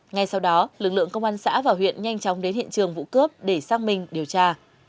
ngay sau đó lực lượng công an xã và huyện nhanh chóng đến hiện trường vụ cướp để xác minh điều tra